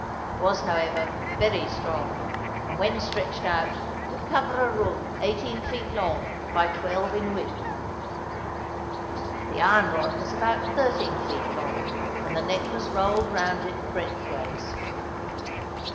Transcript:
It was, however, very strong, and when stretched out would cover a room eighteen feet long, by twelve in width. The iron rod was about thirteen feet long, and the net was rolled round it breadthways.